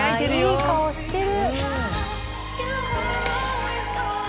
いい顔してる。